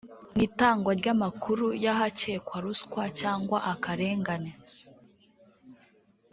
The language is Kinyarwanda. Mu itangwa ry’amakuru y’ahakekwa ruswa cyangwa akarengane